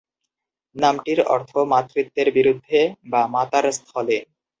নামটির অর্থ "মাতৃত্বের বিরুদ্ধে" বা "মাতার স্থলে"।